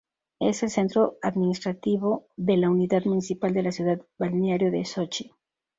Es el centro administrativo de la unidad municipal de la ciudad-balneario de Sochi.